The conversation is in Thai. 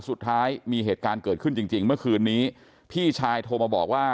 สุดท้ายมีเหตุการณ์เกิดขึ้นจริงจริงเมื่อคืนนี้พี่ชายโทรมาบอกว่า